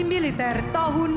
militer tahun dua ribu